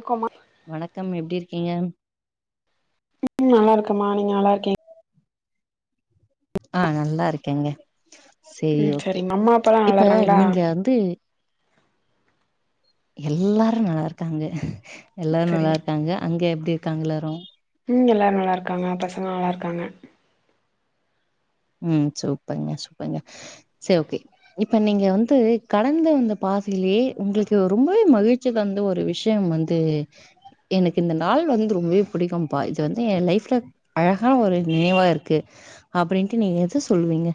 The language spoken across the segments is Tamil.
அக்கமா [unintelligible] வணக்கம் எப்படி இருக்கீங்க உம் நல்லா இருக்கேம்மா நீங்க நல்லா இருக்கீங்க ஆஹ் நல்லா இருக்கேங்க சேரி உம் ஓகே சரி அம்மா அப்பால்லாம் இப்ப நல்லாயிறுங்களா நீங்க வந்து எல்லாரும் நல்லா இருக்காங்க எல்லாரு சரிம்மா நல்லாருக்காங்க அங்க இருக்காங்க எள்ளாரு ம் எல்லாரும் நல்லா இருக்காங்க பசங்க நல்லா இருக்காங்க உம் சூப்பர்ன்ங்க சூப்பர்ங்க சரி ஓகே இப்ப நீங்க வந்து கடந்து வந்து பாதையிலயே உங்களுக்கு ரொம்பவே மகிழ்ச்சி தந்த ஒரு விஷயம் வந்து எனக்கு இந்த நாள் வந்து ரொம்பவே பிடிக்கும்ப்பா இது வந்து என் லைஃப்ல அழகான ஒரு நினைவா இருக்கு அப்படின்னு நீங்க எத சொல்லுவீங்க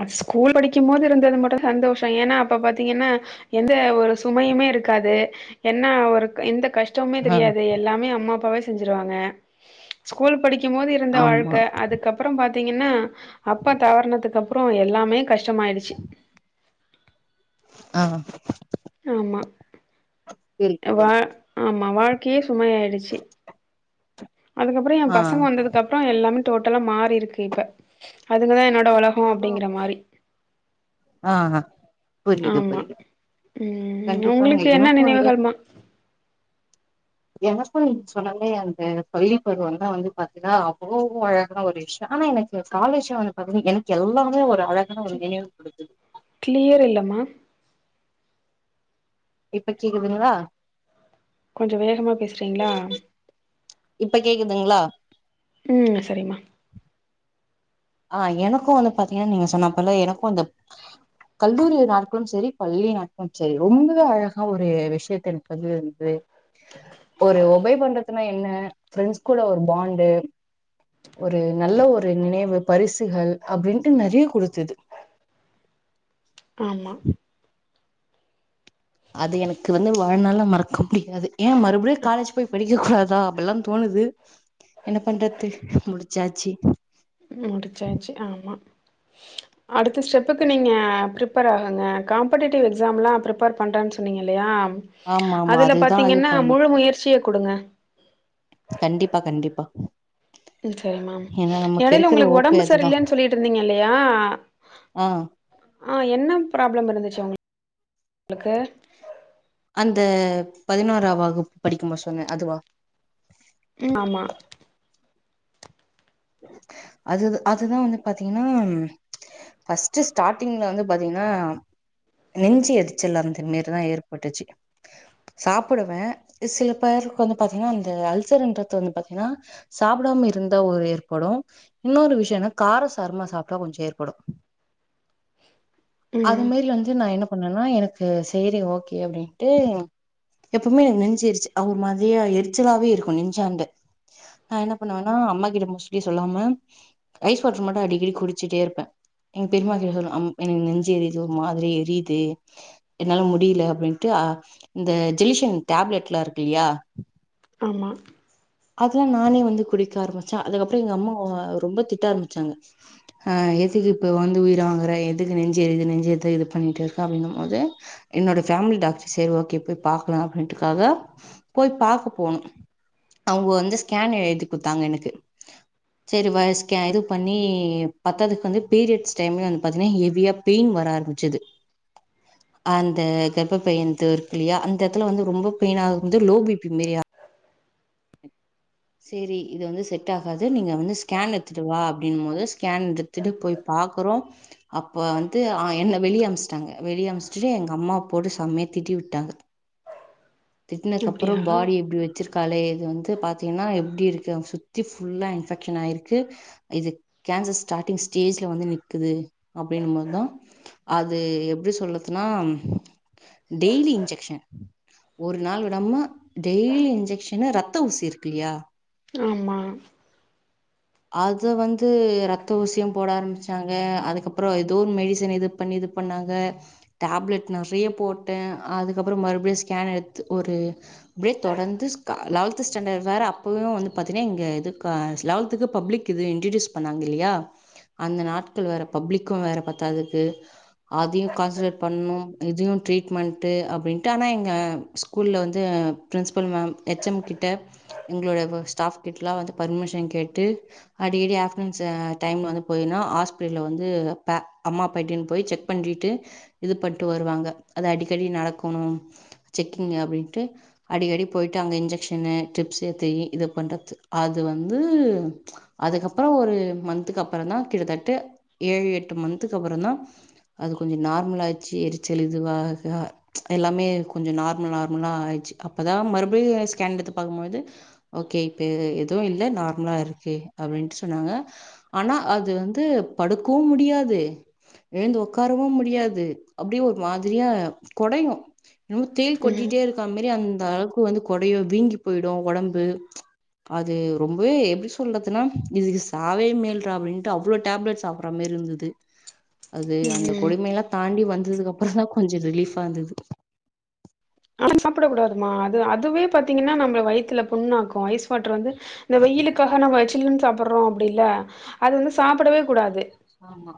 அ ஸ்கூல் படிக்கும் போது இருந்தது மட்டு சந்தோஷ ஏன்னா அப்ப பாத்தீங்கன்னா எந்த ஒரு சுமையுமே இருக்காது என்ன ஒரு எந்த கஷ் கஷ்டமே ஆ தெரியாது எல்லாமே அம்மா அப்பாவே செஞ்சுருவாங்க ஸ்கூல் படிக்கும் போது இருந்த ஆமா வாழ்க்கை அதுக்கப்பறம் பாத் த்தீங்கன்னா அப்பா தவரணத்துக்கு அப்றோ எல்லாமே கஷ் டமாயிடுச்சு ஆ ஆமா செரி வா செரி ஆமா வாழ் க்கயே சுமயாயிடுச்சு அதுக்கப்புறொ ஏ ஆ பசங்க வந்ததுக்கப்றொ எல்லாமே டோட்டலா மா றி‌ இருக்கு இப்ப அதுங்கதா என்னோட ஒலகொ அப்டிங்கிற மாரி ஆஹ ஆமா ம் கண்டிப்பாங்க உங்ளுக்கு என்ன நினைவுகள்மா எனக்கு நீங் சொன்ன மே அந்த பள்ளி பருவந்தா வந்து பாத்தினா அவ்ளோ அழகா ஒரு விஷ்ய ஆனா எனக்கு எ காலேஜ வந்து பாத்தினா எனக்கு எல்லாமே ஒரு அழகான ஒரு நினைவு கொடுக்குது க்ளியர் இல்லமா இப்ப கேக்குதுங்ளா? கொஞ்ச வேகமா பேசுறீங்ளா இப்ப கேக்குதுங்ளா ம் சரிம்மா ஆ எனக்கு வந்து பாத்தீங்கன நீங்க சொன்னப்போல எனக்கு அந்த கல்லூரி நாட்களும் செரி பள்ளி நாட்களும் செரி ரொம்பவே அழகா ஒரு விஷ்யத்த எனக்கு வந்து வந்து ஒரு ஒபை பண்றத்துன்னா என்ன ஃப்ரெண்ட்ஸ் கூட ஒரு பாண்டு ஒரு நல்ல ஒரு நினைவு பரிசுகள் அப்டின்ட்டு நெறைய குடுத்தது ஆமா அது எனக்கு வந்து வாழ்நாள்ல மறக்க முடியாது ஏ மறுபடியு காலேஜ் போய் படிக்க கூடாதா அப்பில்லா தோணுது என்ன பண்றத்து முடு ச்சாச்சி முடுச்சாச்சு ஆமா அடுத்த ஸ்டெப்புக்கு நீங்க பிரிப்பேர் ஆகுங்க காம்படேட்டிவ் எக்ஸாம்லா ப்ரிப்பேர் பண்றேன் சொன்னீங்கெல்லயா ஆமா ஆமா அதுல அதுதா இது பாத்தீங்கன்னா பண்ணு முழு முயற்சிய குடுங்க கண்டிப்பா கண்டிப்பா ஏன்னா [unintelligible] நமக்கு எடைல இருக்கிற ஒங்ளுக்கு ஓப்பே ஒடம்பு அதுதா சரில்லென் சொல்லிட்ருந்தீங்கல்லயாஅ ஆ என்ன ப்ராப்ளம் இருந்துச்சு ஒங்க ளுக்கு அந்த பதினோரா வகுப் படிக்கும்பொ சொன்னே அதுவா ம் ஆமா அதுது அதுதா வந்து பாத்தீங்கனா ஃபஸ்ட்டு ஸ்டார்ட்டிங்ல வந்து பாத்தீங்கனா நெஞ்சி எரிச்சல் அந்த மேரிதா ஏற்பட்டுச்சு சாப்புடுவே சில பேருக்கு வந்து பாத்தீங்னா அந்த அல்சருன்றது வந்து பாத்தீங்னா சாப்புடாம இருந்தா ஒரு ஏற் படு இன்னொரு விஷ்யொன்னா கார சாரமா சாப்ட்டா கொஞ்ச ஏற்படு அது ம் மேரி வந்து நா என்ன பண்ணேன்னா எனக்கு சேரி ஓகே அப்டின்ட்டு எப்பொமே எனக் நெஞ்சு எரிச்சு அ ஒர் மாதிரியா எரிச்சலாவே இருக்கு நெஞ்சாண்ட நா என்ன பண்ணுவேன்னா அம்மா கிட்ட மோஸ் ட்லி சொல்லாம ஐஸ் வாட்ரு மட்டு அடிக்கடி குடுச்சிட்டே இருப்பே எங்க பெரிம்மாகிட்ட சொல்வ அம் எனக்கு நெஞ்சு எரியிது ஒரு மாதிரி எரியிது என்னால முடியில அப்டின்ட்டு அ இந்த ஜெலிஷ்யன் டேப்லெட்ல இருக்குல்லியா ஆமா அதுலா நானே வந்து குடிக்க ஆரம்பிச்ச அதுகப் ட்டு எங்கம்மா ரொம்ப திட்ட ஆரம்பிச்சாங்க ஹ எதுக்கு இப்ப வந்து உயிர வாங்குற எதுக்கு நெஞ்செரியிது நெஞ்செரிது இது பண்ணிட்டிருக்க அப்டின்னும்மோது என்னோட ஃபேமிலி டாக்டர் சேர் ஓகே போய் பாக்கலா அப்டின்ட்டுக்காக போய் பாக்க போனு அவுங்க வந்து ஸ்கேன் எழுதி குத்தாங்க எனக்கு செரி வயஸ்கே இது பண்ணி பத்தாதுக்கு வந்து பீரியட்ஸ் டைம்ல வந்து பாத்தீனா ஹெவியா பெயின் வர ஆரம்பிச்சுது அந்த கர்ப்ப பையின்து இருக்குல்லியா அந்த எத்துல வந்து ரொம்ப பெயின் ஆகும்மொது லோ பி பி மெரி ஆ சேரி இது வந்து செட் ஆகாது நீங்க வந்து ஸ்கேன் எத்துட்டு வா அப்டின்னும்மோது ஸ்கேன் எடுத்துட்டு போய் பாக்குறோ அப்ப வந்து ஆ என்ன வெளிய அமுசுட்டாங்க வெளிய அமுசுட்டுட்டே எங்க அம்மாவ போட்டு செம்மைய திட்டி விட்டாங்க திட்னக்கப்பறொ அப்டியா பாடிய எப்டி வச்சுரு காலையில் வந்து பாத்தீங்கன்னா எப்படி இருக்கு சுத்தி இன்பெக்ஷன் ஆயிருக்கு இது கேன்சர் ஸ்டாடிங் ஸ்டேஜ் வந்து நிக்குது அப்படனும்பதுதான் அது எப்படி சொல்லதுன்னா டெய்லி இன்ஷெஷ்ஷன் ஒரு நாள் விடாம டெய்லி இன்ஷெஷ்ஷன் ஊசி இருக்குலியா ஆமா அத வந்து ரத்த ஊசி போட ஆரம்பிச்சாங்க அதுக்கப்புறம் ஏதோ மெடிசன் இது பண்ணி இது பண்ணாங்க டேப்லெட் நிறைய போட்டேன் அதுக்கப்புறம் மறுபடியும் ஸ்கேன் எடுத்து ஒரு அப்படியே தொடர்ந்து லெவல்த் ஸ்டாண்டர்ட் வேற அப்பயும் வந்து பாத்தீங்கன்னா இங்க இது லெவல்த் பப்லிக் இது இன்ஸ்டிடியூட் பண்ணாங்கயில்லையா அந்தநாட்கள்ளப்லிக்அதுபத்தாது அதுலகான்சிடர்பண்ணி இதிலடீட்மென்ட்டு ஆன எங்க ஸ்கூல்ல வந்து பிரின்சிபல் மேம் ஹச்சம்கிட்ட மேம் ஸ்டாப் கிட்ட பெர்மிஷன் ட்டு அடிக்கடி ஆஃப்டர் டைம் வந்து போயினு ஹாஸ்பிட்டல்ல வந்து அம்மா பிட்டனு போய் செக் பண்ணிட்டு இது பண்ட்டு வருவாங்க அது அடிக்கடி நடக்கணும் செக்கிங் அப்படின்ட்டு அடிக்கடி போயிட்டு அங்கே இன்ஜெக்க்ஷனு ட்ரிப்ஸ் ஏத்தி இது பண்றது அது வந்து அதுக்கப்புறம் ஒரு மந்த்துக்கு அப்புறம் தான் கிட்டத்தட்ட ஏழு எட்டு மந்த்தக்கு அப்புறம் தான் அது கொஞ்சம் நார்மல ஆயிச்சு எரிச்சழு இதுவாக எல்லாமே கொஞ்சம் நார்மல் நார்மலா ஆயிடுச்சு அப்பதான் மறுபடியும் ஸ்கேன் எடுத்து பார்க்கும்போது ஓகே இப்ப எதுவும் இல்ல நார்மலா இருக்கு அப்படின்ட்டு சொன்னாங்க ஆனா அது வந்து படுக்கவும் முடியாது எழுந்து உகாரவும் முடியாது அப்படியே ஒரு மாதிரியா குடையும் ரொம்ப தேல் ம் கொட்டிட்டே இருக்கா மாதாரி அந்த அந்த அளவுக்கு வந்து கொடையோ வீங்கி போயிடும் உடம்பு அது ரொம்பவே எப்படி சொல்றதுன்னா இதுக்கு சாவே மேல்றா அப்படின்ட்டு அவ்வளோ டேப்லெட் சாப்பற மாரி இருந்தது அது அந்த ம் கொடும எல்லாம் தாண்டி வந்து இருந்ததுக்கு அப்புறம் தான் கொஞ்சம் ரிலீஃபா இருந்தது ஆனா சாப்பிட கூடாதுமா அது அதுவே பாத்தீங்கன்னா நம்மள வயித்துல புண்ணாக்கு ஐஸ் வாட்ருவந்து இந்த வெயிலுக்காக நம்ம சில்லுன் சாப்படுறோ அப்படி இல்ல அது வந்து சாப்பிடவே கூடாது ஆமா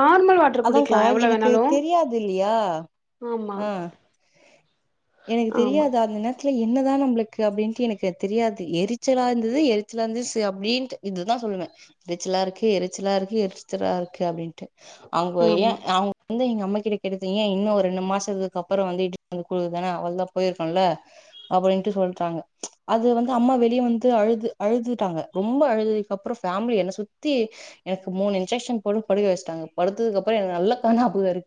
நார்மல் வாட்டர் அத்கா குடிக்கலா எவ்ளோ எனக்கு வேணாலு தெரியாது இல்லையா ஆமா ஆஹ் எனக்கு ஆமா தெரியாது அந்த நேரத்தில என்னதா நம்மளுகு அப்டின்டு எனக்கு தெரியாது எரிச்சலா இருந்து எரிச்சலா இருந்து அப்டின்டு இதுதா சொலுவ எரிசலா இருகு எரிசலா இருக்கு எச்சடா இருக்கு அப்படின்ட்டு [inaudible] அவுங்க ஆமா ஏன் அவங்க வந்து அம்ம கிட்ட கேட்டது ஏன இன்னு ஒரு ரெண்டு மாசத்துதுக்கு அப்புறொ வந்து இட் குழுதானே அவளதா போயிருக்கான்ல அப்படின்ட்டு சொல்றாங்க அது வந்து அம்மா வெளியே வந்து அழுது அழுதுட்டாங்க ரொம்ப அழுதுக்குப்ரொ ஃபேமிலி என்ன சுத்தி எனக்கு மூணு இன்ஜசன் போடு படுக வெஷ்டாங்க படுதது அபுற நல்ல கண்ணு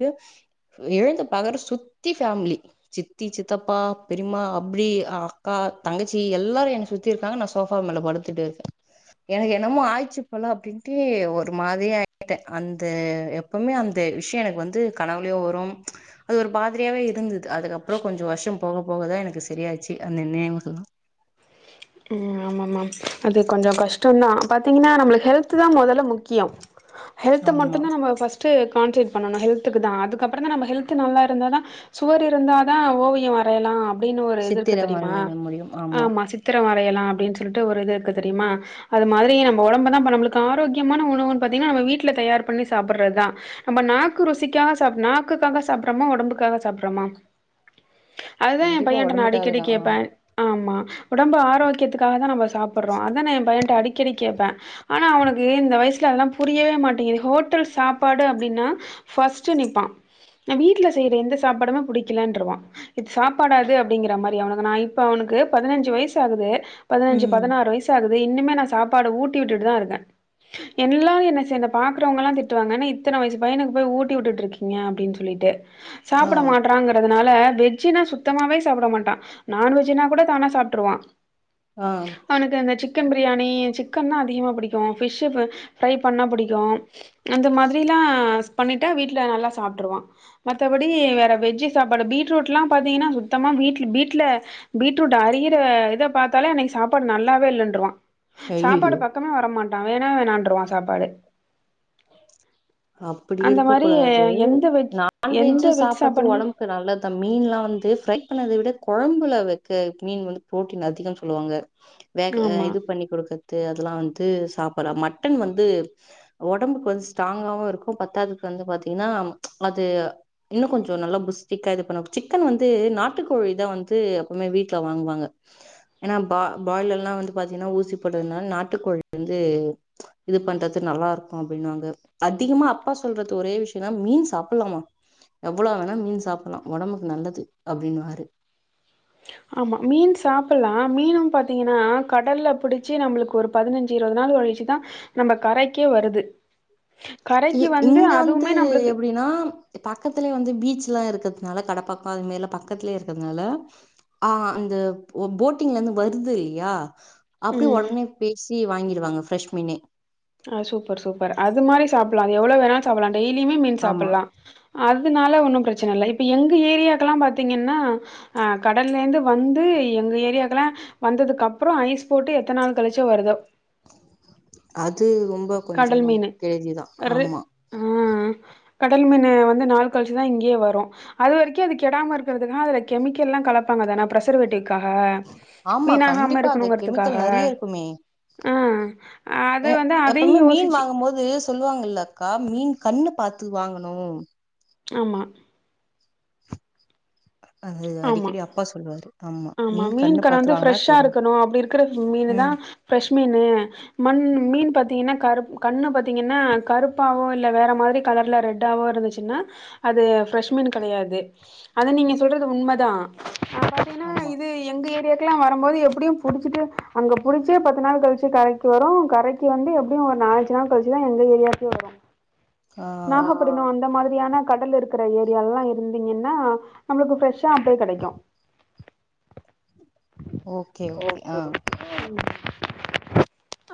எழுந்து பாக்ற சுத்தி பேமிலி சித்தி சித்தபா பெரிமா அப்டி அக்கா தங்கசி எலாரு என்ன சுத்தி இருகாங்க நா சோபா மேல படுத்து இருக்க எனகு எனமோ ஆயச்சு போல அப்டின்டு ஒர் ஒரு மாரியாயிட்டே அந்த எப்பொமே அந்த விஷய எனக்கு வந்து கனவுளயு வரு அது ஒரு மாதிரியாவே இருந்தது அதுக்கப்புறொ கொஞ்ச வருஷொ போக போகதா எனக்கு சரியாச்சு அந்த நெவுகள் ம் ஆமாமா அது கொஞ்ச கஷ்டதா பாதீங்கனா நமளுகு ஹெல்த் தா முதல முக் கியம் ஹெல்த ஆமா மட்டும் தான் நம்ம பஸ்ட்டு கான்சட் பண்ணணும் ஹெல்த்துக்கு தான் அதுக்கப்புறம் தான் நம்ம ஹெல்த் நல்லா இருந்தா தான் சுவர் இருந்தா தான் ஓவியம் வரையலாம் அப்டினு ஒருவ இது ஓரூ கு சித்திர தெரியுமா வரைய முடியும் ஆமா சி வரையலாம் அப்படின்னு சொல்லிட்டு ஒரு இது இருக்கு தெரியுமா அது மாதிரி நம்ம உடம்பு தான் நம்மளுக்கு ஆரோக்கியமான உணவு பாத்தீங்கன்னா நம்ம வீட்டுல தயார் பண்ணி சாப்பிடுறதுதான் நம்ம நாக்கு ருசிக்காக நாக்குக்காக சாப்படுறோமா உடம்புக்காக சாப்படுறோமா அதுதான் என் கண்டிப்பா பையன்ட்ட நான் அடிக்கடி ஒடம்புக்காகதா ஆ கேட்பேன் ஆமா ஒடம்பு ஆரோகியதுகாக தா நம்ம சாபிறோ அ நானு என் பையன்ட அடிக்கடி கேட்பேன் ஆனா அவனுக்கு இந்த வயசு அதெல்லா புரியவே மாட்டேங்குது ஹோட்டல் சாப்பாடு அப்படின்னா ஃபஸ்டு நிப்பான் வீட்டல செய்ர எந்த சாப்பாடுமே புடிக்கலன்ற சாப்பாடாது அப்படிங்கிற மாரி இப்ப அவனுக்கு பதினஞ்சு வயசு யூஸ் ஆகுது பதினஞ்சு ம் பதனாறு வயசு ஆகுது இன்னுமே நான் சாப்பாடு ஊட்டி விட்டுட்டு தான் இருக்கேன் எல்லாம் என்ன ச பாக்குறவங்க எல்லாம் திட்டுவாங்க என்ன இத்தனை வயசு பையனுக்கு போய் ஊட்டி விட்டு இருக்கீங்க அப்படின்னு சொல்லிட்டு ஆ சாபிட மாட்றாங்கறதுனால வெஜ்னவே சுத்தமாவே சாபிட மாட்டா நான்வெஜ்னா கூட தானா சாப்டுருவான் ஆ அவனுக்கு சிக் சிக்கன் பிரியாணி சிக்கனா அதிகமா புடிகும் பிஷ் ப்ரை பண்ணா புடிக்கும் அந்த மாரிலா பண்ணிடா வீட்ல நல்லா சாப்பிட்டுருவான் மதபடி வேற வெஜ் சாப்பாடு பீட்ரூட்லாம் பா்த்தீங்கனா சுத்தமாக வீட்ல பீட்ல பீட்ரூட் அரியுற இத பாத்தாலே அன்னைக்கு சாப்பாடு நல்லாவே இல்லன்ரும் சாப்பாடு ஐயயோ பக்கமே வரமாட் வேணா வேணாருவான் சாப்பாடு அப்டி அந்த இருக்க மாரி கூடாது எந்த வெஜ் நான்வெஜ் எந்த வெஜ் சாப்புடுறது சாப்பாடுமே ஒடம்பு நல்லத மீன்லா வந்து ப்ரை அப்ப அத விட குழம்புல வைக்க மீன் வந்து பு்ரோட்டீன் அதிகம்னு சொல்லுவாங்க வேக ஆமா இது பண்ணி கொடுக்கறது அதெல்லா வந்து சாப்புடலாம் மட்டன் வந்து ஒடம்புக்கு வந்து ஸ்டாங் ங்க இருக்கும் பத்தாதுக்கு வந்து பாத்தீங்கன்னா அது இன்னு கொஞ்சொ நல்லா புஸ்டிக்கா இது பண்ண சிக்கன் வந்து நாட்டுக்கோழி தா வந்து எப்பவுமே வீட்டுல வாங்குவாங்க ஏன்னா பாயலர்லா வந்து பாத்தீங்கன்னா ஊசி போட்டதுனால நாட்டுக்கோழி வந்து இது பண்றது நல்லா இருக்கும் அப்படின்னுவாங்க அதிகமா அப்பா சொல்றது ஒரே விஷயம் மீன் சாப்பிலாமா எவ்ளோ வேணா மீன் சாப்பிலா ஒடம்புக்கு நல்லது அப்டினுவாரு ஆமா மீன் சாப்டலாம் மீனும் பாத்தீங்கன்னா கடல்ல பிடிச்சு நம்மளுக்கு ஒரு பதினஞ்சு இருபது நாள் கழிச்சுதான் நம்ம கரைக்கே வருது கரைக்கு இங்க வந்து அதுவுமே நம்மளுக்கு எப்டினா பக்கதுலயே வந்து பீச் பீச்லா இருகிறதுனால கடப்பகம் இது மாரிலா பக்கதுலயே இருகிறதுனால ஆஹ் அந்த போடிங்ல இருந்து வருதுலியா அப்டியே ம் உடனே பேசி வாங்கிடுவாங்க ப்ரெஷ் மீனே ஆஹ சூப்பர் சூப்பர் அதுமாதிரி சாப்படலாம் எவ்வள வேணாலும் சாப்படலாம் டெய்லியுமே மீன் ஆமா சாப்பிலாம் அதனால ஒன்னும் பிரச்சனை இல்லை இப்ப எங்க ஏரியாக்கலாம் பார்த்தீங்கன்னா ஆ கடலே இருந்து வந்து எங்க ஏரியாக்கலாம் வந்ததுக்கு அப்பறம் ஐஸ் போட்டு எத்தன நாள் கழிச்சோ வருதோ அது ரொம்ப கொஞ்ச கடல் மீன் கேடிதா ரு ஆமா ஆ கடல் மீனு வந்து நாள் கழிச்சுதா இங்யே வரும் அது வரைக்கு அது கெடாம இருகிறதுக அதுல கெமிகலா கலபாங்க தான பிரசர்வேடிக் க்காக ஆமா வீணாகாம கண்டிப்பா அந்த இருக்கணுங்கிறதுக்காக கெமிக்கல் நிறைய இருக்குமே அது எ வந்து அது எப்பவுமே மீன் வாங்கும் போது சொல்லுவாங்கல்ல அக்கா மீன் கண்ணு பாத்து வாங்கணும் ஆமா அது ஆமா அடிக்கடி அப்பா சொல்லுவாரு ஆமா மீன் கண்ணு பாத்து வந்து வாங்கனா ஃப்ரெஷ்ஷா தெரியு இருக்கணும் அப்படி இருக்கிற மீனு தா ம் ஃப்ரெஷ் மீனு மண் மீன் பாத்தீங்கன்னா கரு கண்னா பாத்திங்கஙன்னா கருப்பாவொஇல்ல வேர மாரி கலர்ல ரெட்டாவொ இருந்துச்சுண்ணா அது ஃப்ரெஷ்மீன் கெடையாது சொல்றது உண்மைதா அப்பனா ஆமா இது எங்க ஏரியர லாம் வரும்போது எப்டியும் புடிச்சுடு அங்க புடிசு பத்து நாள் கழிச்சு கரைகு வரும் கரைகு வந்து எப்டியும் ஒரு நாளஞ்சு நாள் கழிச்சசுதா எங்க ஏரியகே வரும் ஆ நாகப்பட்டினம் அந்த மாரி ஏனா கடல இருகிற ஏரியாலா இருந்தீகனா நம்மளுக்கு ஃப்ரெஷ்ஷா அப்பயே கெடைக்கும் ஓகே ஓகே ஆ ஓகே-ஓகே ம்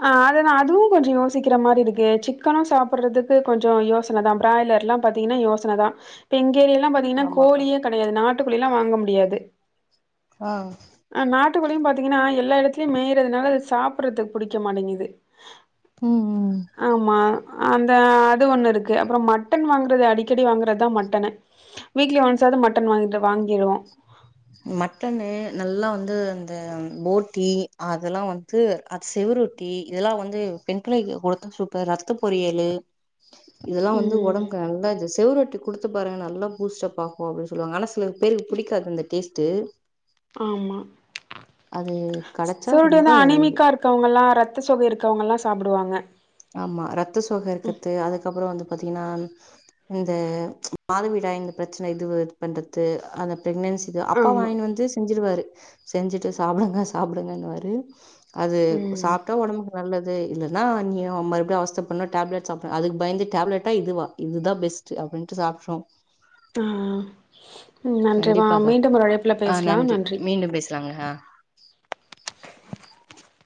ஆஹ் அததா அதுவும் கொஞ்ச யோசிகிற மாரி இருக்கு சிக்கனு சாப்பிறதுக்கு கொஞ்ச யோசன தான் பிராய்லர் எல்லாம் பத்த ன்ன யோசனை தான் இப்ப எங்க இங்கலாம் பாதீங்கனா ஆமாக்கா கோழி எது நாட்டுக்கோழில்லா வாங்க முடியாது ஆ ட்டு கோழியு பாதீங்கனா எல்லா இடதுலயு மேயிறதுனால அது சாபிறதுக் பிடிக்க மாடிங்து உம் உம் அந்த அது ஒண்ணு இருக்கு அப்புறோ மட்டன் வாங்கறது அடிக்கடி வாங்குறதுதா மட்டனு வீக்லி ஒன் ச்சாலும் மட்டன் வாங்கிறப் மட்டனு நல்லா வந்து த்தேம் போடி அதெல்லா வந்து அது செவுரொடி இதெல்லா வந்து பெண்பிளைகு குடுத்தா சூப்பர் ரத்த பொரியலு இதெல்லா வந்து ம். ஒடம்புக்கு நல்லது செவுரொட்டி குடுத்து பாருங்க நல்ல பூஸ்டப்பாப்போ அப்டி சொல்வாங்க ஆன சிலது புடிக்காது இந்த டேஸ்ட் ட்டு ஆமா கடச்சா சூடு ரொம்ப தா அனிமிக்கா இருக்காங்குலா ரத் த்த சோக இருக்கவங்குலா சாப்டுவாங்க ஆமா ரத்த சோக இருக்குத்து அது அப்புற வந்து பாத்தீங்கன்னா இந்த மாத வீடாய் இந்த பிரச்சுன இதுவே இது பண்றத்து அந்த பிரெக்னன்சிக்கு அப்பா ஆமா. வாங்கினு வந்து செஞ்சுடுவாரு செஞ்சுட்டு சாப்புடுங்க சாப்புடுங்கன்னுவாரு அது ம். சாப்டா ஒடம்புக்கு நல்லது து இல்லன்னா அநியோ மறுபடியு அவுஸ்தப்படனும் டேப்லட் சாப்புனு அதுக் பயிந்து டேப்லட் ஆ இதுவா இது தா பெஸ்ட்டு அப்பிடின்னுட்டு சாப்புட்றோம் ஆ ம் நன்றி மா கண்டிப்பாக்கா மீண்டும் ஒரு அழைப்புல ஆ பேஸ்லாம் நன்றி மீண்டும் பேசலாங்க ஆ